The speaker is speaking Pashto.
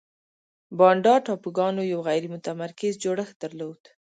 بانډا ټاپوګانو یو غیر متمرکز جوړښت درلود.